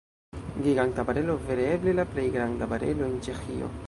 Giganta barelo, vere eble la plej granda barelo en Ĉeĥio.